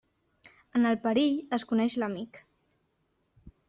En el perill es coneix l'amic.